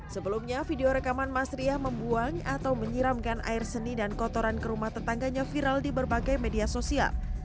sebelumnya video rekaman mas riah membuang atau menyiramkan air seni dan kotoran ke rumah tetangganya viral di berbagai media sosial